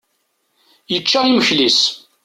Yečča imekli-is.